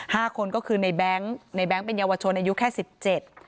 ห้าคนก็คือในแบงค์ในแง๊งเป็นเยาวชนอายุแค่สิบเจ็ด